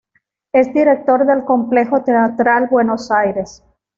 Es director del Complejo Teatral Buenos Aires.